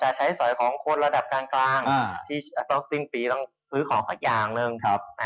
ใช้สอยของคนระดับกลางที่ต้องสิ้นปีต้องซื้อของสักอย่างหนึ่ง